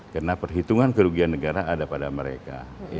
karena perhitungan kerugian negara ada pada mereka